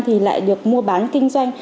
thì lại được mua bán kinh doanh